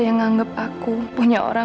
angkanya jat arm